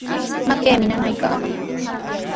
Makiimi nanaykaaman.